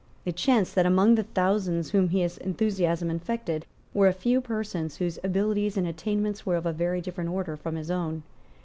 It chanced that among the thousands whom his enthusiasm infected were a few persons whose abilities and attainments were of a very different order from his own.